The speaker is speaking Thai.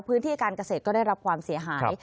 พื้นที่การเกษตรก็ได้รับความเสียหาย